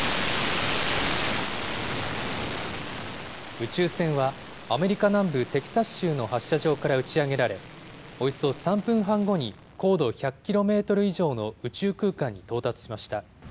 宇宙船は、アメリカ南部テキサス州の発射場から打ち上げられ、およそ３分半後に高度１００キロメートル以上の宇宙空間に到達しました。